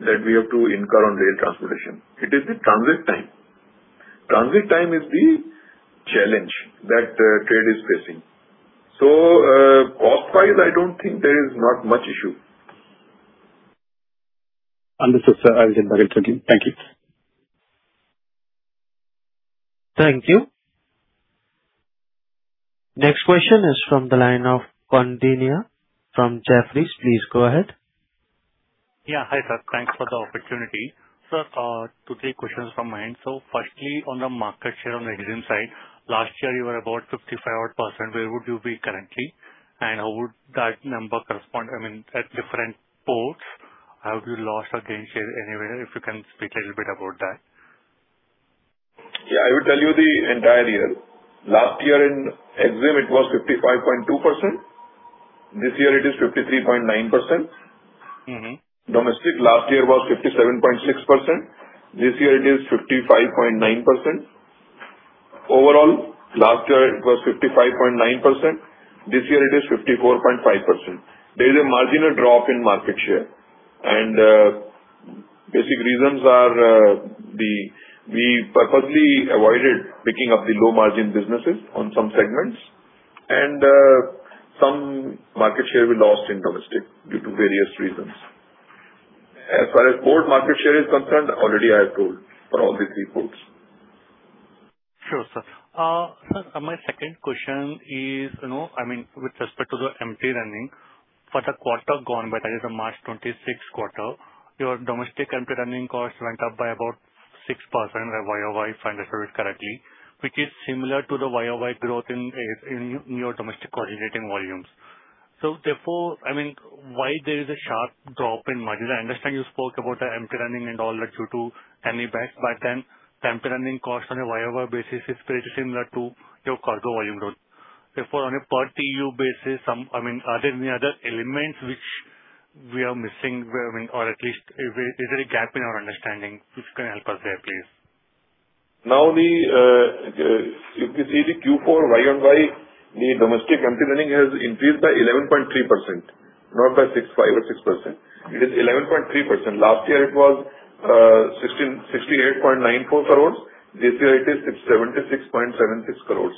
that we have to incur on rail transportation. It is the transit time. Transit time is the challenge that rail is facing. Cost-wise, I don't think there is much issue. Understood, sir. [inaudible] Thank you. Thank you. Next question is from the line of Koundinya from Jefferies. Please go ahead. Yeah. Hi, sir. Thanks for the opportunity. Sir, 2-3 questions from my end. Firstly, on the market share on the EXIM side, last year you were about 55-odd percent. Where would you be currently? How would that number correspond at different ports? Have you lost or gained share anywhere? If you can speak a little bit about that. Yeah. I will tell you the entire year. Last year in EXIM it was 55.2%. This year it is 53.9%. Domestic last year was 57.6%. This year it is 55.9%. Overall, last year it was 55.9%. This year it is 54.5%. There is a marginal drop in market share, and basic reasons are we purposely avoided picking up the low margin businesses on some segments, and some market share we lost in domestic due to various reasons. As far as port market share is concerned, already I have told for all the three ports. Sure, sir. Sir, my second question is with respect to the empty running for the quarter gone, that is the March 26 quarter, your domestic empty running costs went up by about 6% YoY if I understood it correctly, which is similar to the YoY growth in your domestic originating volumes. Therefore, why there is a sharp drop in margin? I understand you spoke about the empty running and all that due to ME Back button, the empty running costs on a YoY basis is very similar to your cargo volume growth. Therefore, on a per TEU basis, are there any other elements which we are missing, or at least is there a gap in our understanding? If you can help us there, please. If you see the Q4 YoY, the domestic empty running has increased by 11.3%, not by 65% or 6%. It is 11.3%. Last year it was 68.94 crores. This year it is 76.76 crores.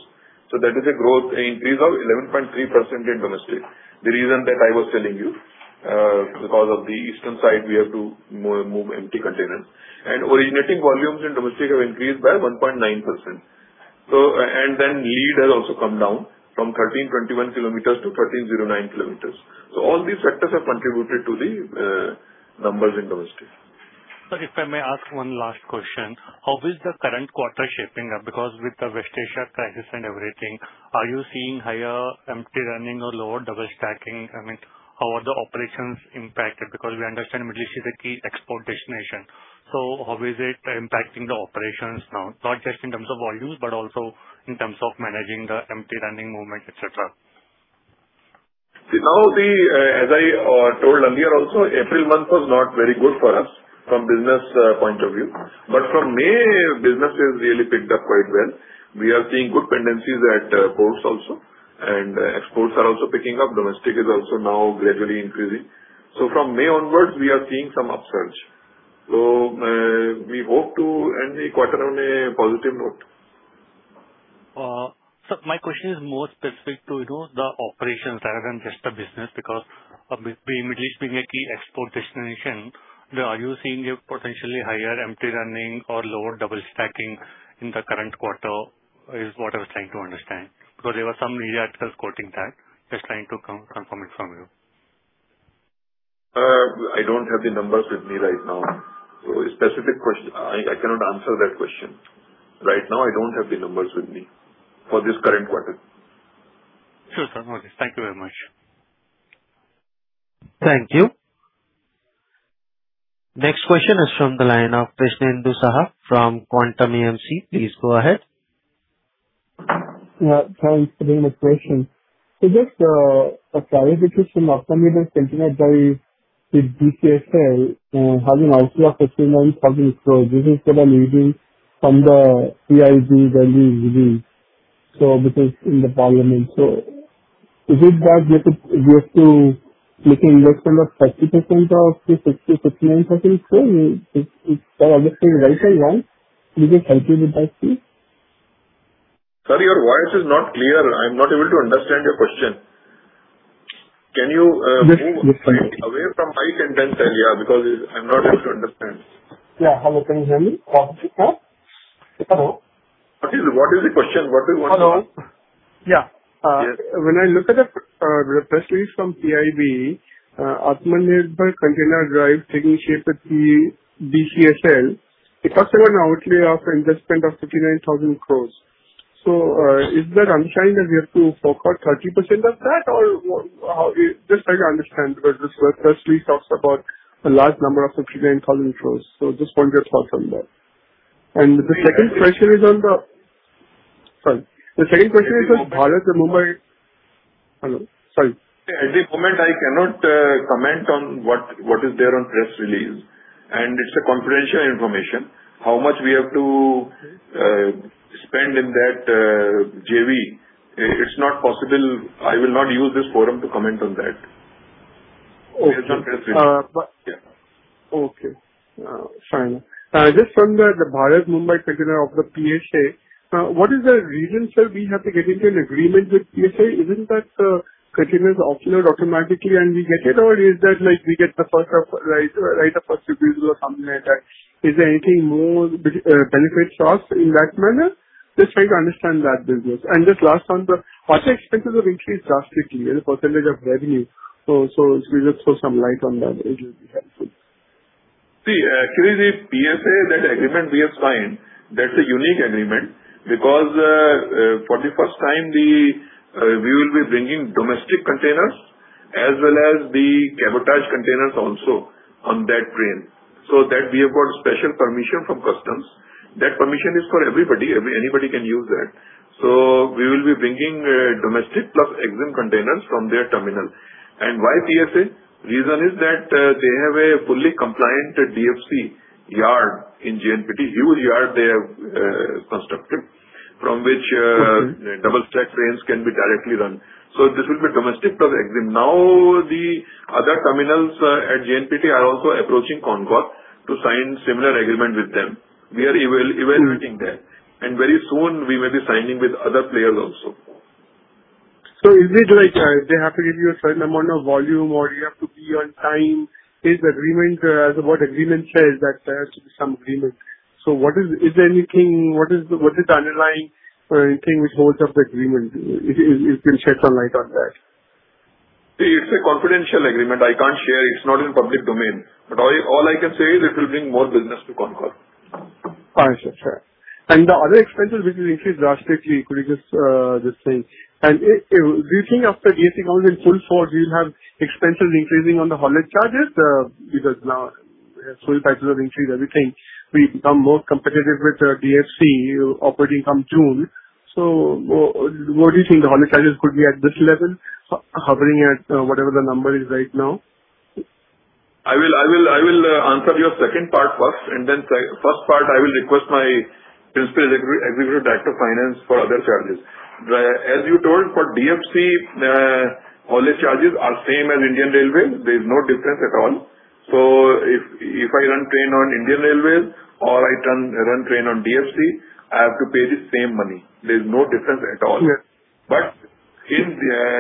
That is a growth increase of 11.3% in domestic. The reason that I was telling you, because of the eastern side, we have to move empty containers. Originating volumes in domestic have increased by 1.9%. Lead has also come down from 1,321 km to 1,309 km. All these factors have contributed to the numbers in domestic. Sir, if I may ask one last question. How is the current quarter shaping up? With the West Asia crisis and everything, are you seeing higher empty running or lower double-stacking? How are the operations impacted? We understand Middle East is a key export destination. How is it impacting the operations now, not just in terms of volumes, but also in terms of managing the empty running movement, et cetera? As I told earlier also, April month was not very good for us from business point of view. From May, business has really picked up quite well. We are seeing good tendencies at ports also. Exports are also picking up. Domestic is also now gradually increasing. From May onwards we are seeing some upsurge. We hope to end the quarter on a positive note. Sir, my question is more specific to the operations rather than just the business because of the Middle East being a key export destination. Are you seeing a potentially higher empty running or lower double stacking in the current quarter, is what I was trying to understand. There were some media articles quoting that. Just trying to confirm it from you. I don't have the numbers with me right now. Specific question, I cannot answer that question. Right now, I don't have the numbers with me for this current quarter. Sure, sir. No worries. Thank you very much. Thank you. Next question is from the line of Krishnendu Saha from Quantum AMC. Please go ahead. Thanks for taking the question. Just a clarity question. Atmanirbhar Containerbhari with DCSF has an outlay of INR 59,000 crore. This is what I'm reading from the P/B value read. This is in the parliament. Is it that we have to make investment of 30% of the INR 59,000 crore? If I understood it right or wrong. Can you just help me with that, please? Sir, your voice is not clear. I'm not able to understand your question. Can you move away from high intense area because I'm not able to understand. Yeah. Hello, can you hear me? What is the question? Hello? Yeah. Yes. When I look at the press release from P/B, Atmanirbhar Container Drive taking shape with the DCSF, it has an outlay of investment of 59,000 crores. Is the understanding that we have to fork out 30% of that? Or just trying to understand because this press release talks about a large number of 59,000 crores. Just want your thoughts on that. The second question is on Bharat Mumbai. At this moment I cannot comment on what is there on press release, and it's confidential information. How much we have to spend in that JV, it's not possible. I will not use this forum to comment on that. Okay. It's not fair play. Yeah. Okay. Fine. Just from the Bharat Mumbai Container Terminals of PSA International, what is the reason, sir, we have to get into an agreement with PSA International? Isn't that container offloaded automatically and we get it, or is that like we get the right first refusal or something like that? Is there anything more benefits for us in that manner? Just trying to understand that business. Just last one, sir. Faster expenses have increased drastically as a percentage of revenue. If you could just throw some light on that, it will be helpful. See, actually, the PSA, that agreement we have signed, that's a unique agreement because, for the first time, we will be bringing domestic containers as well as the cabotage containers also on that train. That we have got special permission from customs. That permission is for everybody. Anybody can use that. We will be bringing domestic plus EXIM containers from their terminal. Why PSA? Reason is that they have a fully compliant DFC yard in JNPT. Huge yard they have constructed, from which double stack trains can be directly run. This will be domestic plus EXIM. The other terminals at JNPT are also approaching CONCOR to sign similar agreement with them. We are evaluating them, and very soon we will be signing with other players also. Is it like they have to give you a certain amount of volume, or you have to be on time? What agreement says that there has to be some agreement. What is the underlying thing with both of the agreement? If you can shed some light on that. It's a confidential agreement. I can't share. It's not in public domain. All I can say is it will bring more business to CONCOR. I understand. The other expenses which will increase drastically, do you think after DFC now in full force, we will have expenses increasing on the haulage charges? Now full types have increased, everything. We become more competitive with DFC operating from June. What do you think, the haulage charges could be at this level, hovering at whatever the number is right now? I will answer your second part first. Then first part I will request my Principal Executive Director of Finance for other charges. As you told, for DFC, haulage charges are same as Indian Railways. There's no difference at all. If I run train on Indian Railways or I run train on DFC, I have to pay the same money. There's no difference at all. Yes. In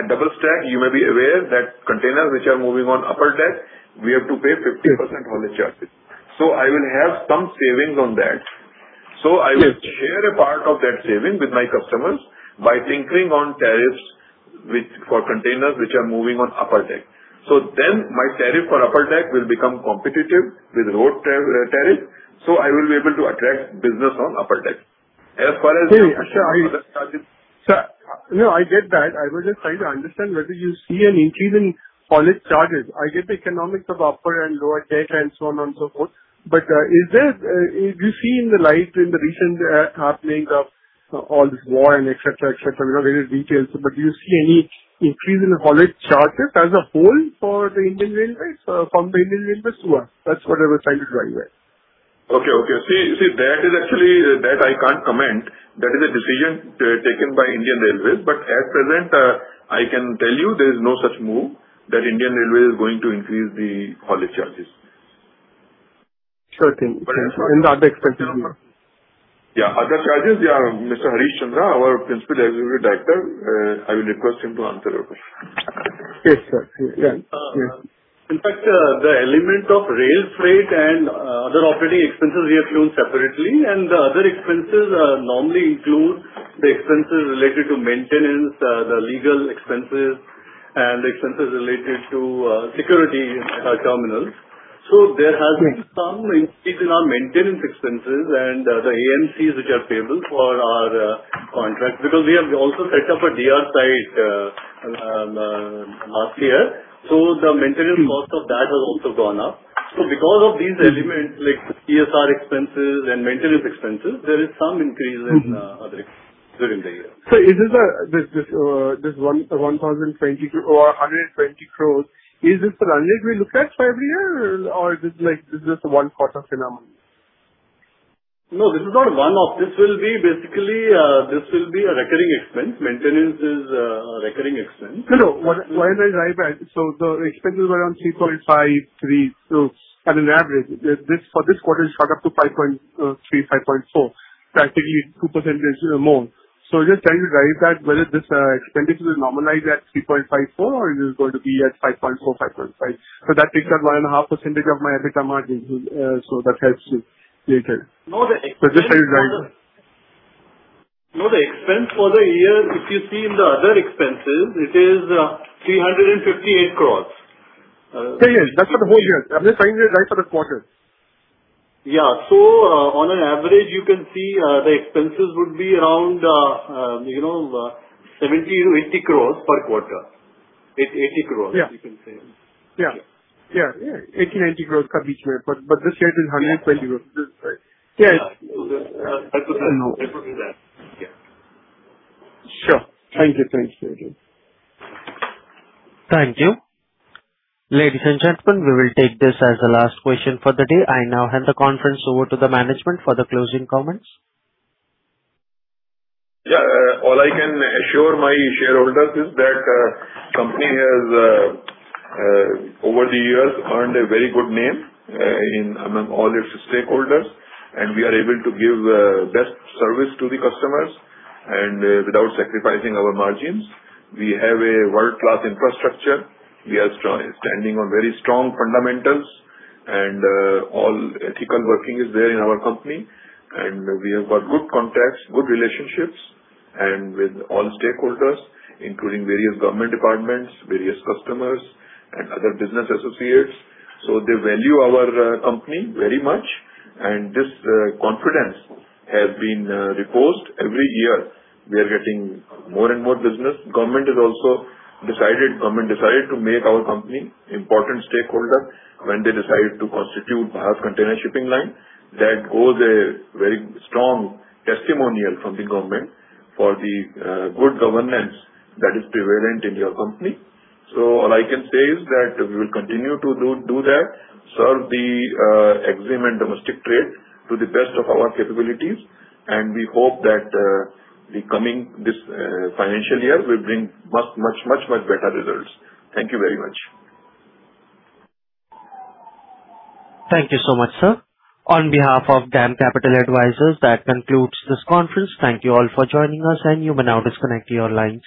double stack, you may be aware that containers which are moving on upper deck, we have to pay 50% haulage charges. I will have some savings on that. I will share a part of that saving with my customers by tinkering on tariffs for containers which are moving on upper deck. My tariff for upper deck will become competitive with road tariff. I will be able to attract business on upper deck. Sir, I get that. I was just trying to understand whether you see an increase in haulage charges. I get the economics of upper and lower deck and so on and so forth. Do you see in the light in the recent happenings of all this war and et cetera? We know very little details, do you see any increase in haulage charges as a whole for the Indian Railways, from the Indian Railways to us? That's what I was trying to drive at. Okay. See, That I can't comment. That is a decision taken by Indian Railways. At present, I can tell you there is no such move that Indian Railways is going to increase the haulage charges. Certain. The other expenses also. Yeah, other charges, yeah, Mr. Harish Chandra, our Principal Executive Director, I will request him to answer your question. Yes, sir. In fact, the element of rail freight and other operating expenses we have shown separately. The other expenses normally include the expenses related to maintenance, the legal expenses, and expenses related to security at our terminals. There has been some increase in our maintenance expenses and the AMC which are payable for our contracts, because we have also set up a DR site last year. The maintenance cost of that has also gone up. Because of these elements like CSR expenses and maintenance expenses, there is some increase in other expenses during the year. Sir, this INR 120 crore, is this an annual we look at every year, or is this one quarter phenomenon? No, this is not one off. This will be a recurring expense. Maintenance is a recurring expense. The expenses were around 3.5%, 3%, at an average. For this quarter, it shot up to 5.3%, 5.4%, practically 2% more. Just trying to derive that whether this expenditure will normalize at 3.54% or it is going to be at 5.4%, 5.5%. That takes up 1.5% of my EBITDA margin. That helps to create it. No, the expense for the year, if you see in the other expenses, it is 358 crore. Yes. That's for the whole year. I'm just trying to derive for the quarter. Yeah. On an average, you can see the expenses would be around 70 crore-80 crore per quarter. 80 crore, you can say. Yeah. 80 crore-90 crore each way. This quarter is INR 120 crore. Is this right? Yes. It would be that. Yeah. Sure. Thank you. Thank you. Ladies and gentlemen, we will take this as the last question for the day. I now hand the conference over to the management for the closing comments. Yeah. All I can assure my shareholders is that company has, over the years, earned a very good name among all its stakeholders, and we are able to give best service to the customers and without sacrificing our margins. We have a world-class infrastructure. We are standing on very strong fundamentals, and all ethical working is there in our company. We have got good contacts, good relationships, and with all stakeholders, including various government departments, various customers, and other business associates. They value our company very much, and this confidence has been reposed every year. We are getting more and more business. Government decided to make our company important stakeholder when they decided to constitute Bharat Container Shipping Line. That goes a very strong testimonial from the government for the good governance that is prevalent in your company. All I can say is that we will continue to do that, serve the EXIM and domestic trade to the best of our capabilities, and we hope that the coming this financial year will bring much better results. Thank you very much. Thank you so much, sir. On behalf of DAM Capital Advisors, that concludes this conference. Thank you all for joining us, and you may now disconnect your lines.